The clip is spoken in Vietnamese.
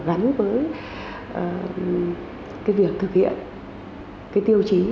gắn với việc thực hiện tiêu chí